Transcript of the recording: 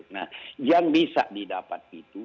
nah yang bisa didapat itu